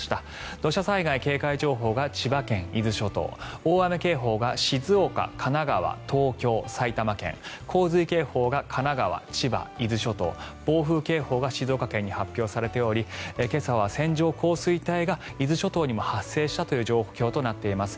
土砂災害警戒情報が千葉県、伊豆諸島大雨警報が静岡、神奈川、東京、埼玉県洪水警報が神奈川、千葉、伊豆諸島暴風警報が静岡県に発表されており今朝は線状降水帯が伊豆諸島にも発生したという状況にもなっています。